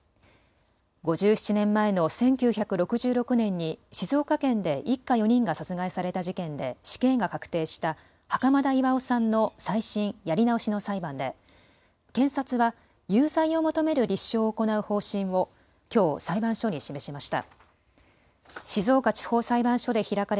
５７年前の１９６６年に静岡県で一家４人が殺害された事件で死刑が確定した袴田巌さんの再審やり直しの裁判で検察は有罪を求める立証を行う方針をきょう裁判所に示しました。